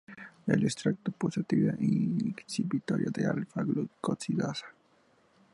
El extracto posee actividad inhibitoria del alfa-glucosidasa.